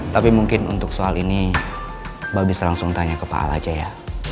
tapi mungkin untuk soal ini mbak bisa langsung tanya ke pak al aceh ya